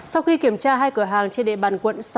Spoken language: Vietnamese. sau khi kiểm tra hai cửa hàng trên địa bàn quận sáu